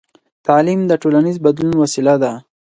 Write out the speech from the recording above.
تعلیم د ټولنیز بدلون وسیله ده.